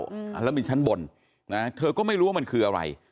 อืมอ่าแล้วมีชั้นบนนะเธอก็ไม่รู้ว่ามันคืออะไร